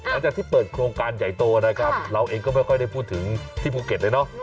หลังจากที่เปิดโครงการใหญ่โตนะครับเราเองก็ไม่ค่อยได้พูดถึงที่ภูเก็ตเลยเนาะ